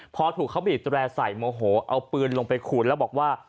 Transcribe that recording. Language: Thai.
พอถูกเขาบีดแร่ใส่โมโหเอาปืนลงไปขูดแล้วบอกว่า